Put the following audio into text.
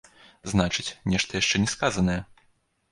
Значыць, нешта яшчэ не сказанае.